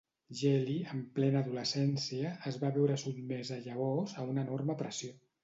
Geli, en plena adolescència, es va veure sotmesa llavors a una enorme pressió.